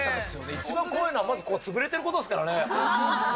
一番怖いのは、まず潰れてることですからね。